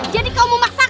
jadi kau memaksaku bahula